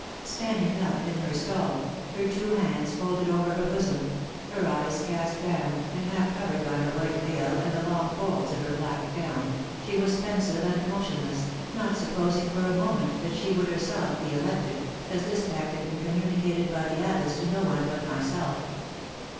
Standing up in her stall, her two hands folded over her bosom, her eyes cast down, and half covered by her white veil and the long folds of her black gown, she was pensive and motionless, not supposing for a moment that she would herself be elected, as this fact had been communicated by the abbess to no one but myself.